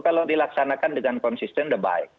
kalau dilaksanakan dengan konsisten sudah baik